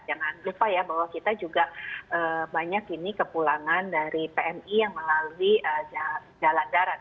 jangan lupa ya bahwa kita juga banyak ini kepulangan dari pmi yang melalui jalan darat